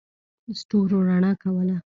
ستورو رڼا کوله.